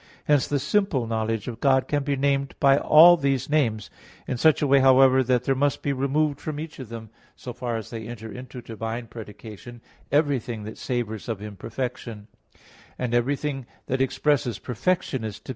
7). Hence the simple knowledge of God can be named by all these names; in such a way, however, that there must be removed from each of them, so far as they enter into divine predication, everything that savors of imperfection; and everything that expresses perfection is to be retained in them.